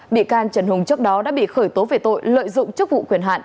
bị can trần hùng trước đó đã bị khởi tố về tội lợi dụng chức vụ quyền hạn